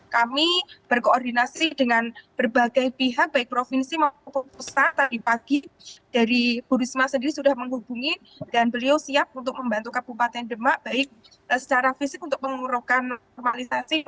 kami berkoordinasi dengan berbagai pihak baik provinsi maupun pusat tadi pagi dari bu risma sendiri sudah menghubungi dan beliau siap untuk membantu kabupaten demak baik secara fisik untuk mengurakan normalisasi